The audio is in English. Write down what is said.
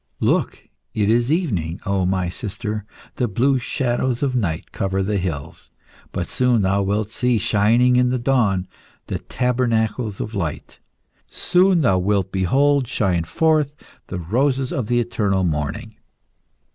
"Look! it is the evening, O my sister. The blue shadows of night cover the hills. But soon thou wilt see shining in the dawn the tabernacles of Light; soon thou wilt behold shine forth the roses of the eternal morning."